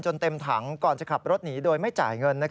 เต็มถังก่อนจะขับรถหนีโดยไม่จ่ายเงิน